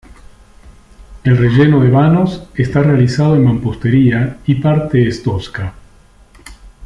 El relleno de vanos está realizado en mampostería y parte es tosca.